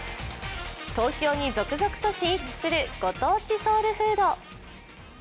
東京に続々と進出するご当地ソウルフード。